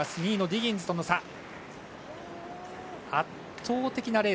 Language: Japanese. ２位のディギンズとの差です。